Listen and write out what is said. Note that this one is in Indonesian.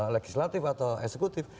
legislatif atau eksekutif